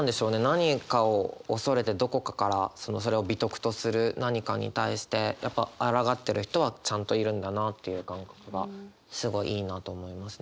何かを恐れてどこかからそれを美徳とする何かに対してやっぱあらがってる人はちゃんといるんだなっていう感覚がすごいいいなと思いますね。